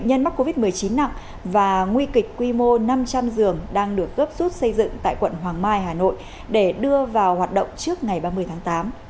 nhân mắc covid một mươi chín nặng và nguy kịch quy mô năm trăm linh giường đang được gấp rút xây dựng tại quận hoàng mai hà nội để đưa vào hoạt động trước ngày ba mươi tháng tám